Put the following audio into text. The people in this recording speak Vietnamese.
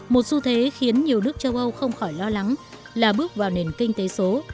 một xu thế khiến nhiều nước châu âu không khỏi lo lắng là bước vào nền kinh tế số